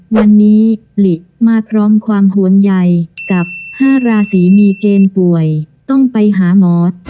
วันนี้หลีมาพร้อมความห่วงใยกับ๕ราศีมีเกณฑ์ป่วยต้องไปหาหมอ